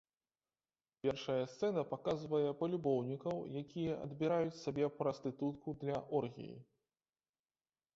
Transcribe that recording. Першая сцэна паказвае палюбоўнікаў, якія адбіраюць сабе прастытутку для оргіі.